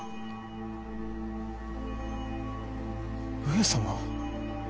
上様！